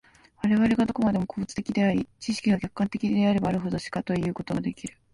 我々がどこまでも個物的であり、知識が客観的であればあるほど、しかいうことができる。